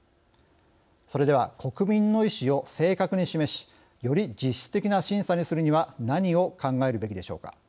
それでは国民の意思を正確に示しより実質的な審査にするには何を考えるべきでしょうか。